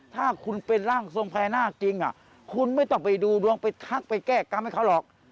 ถ้าคุณเป็นร่างทรงพญานาคจริงคุณไม่ต้องไปดูดวงไปทักไปแก้กรรมให้เขาหรอก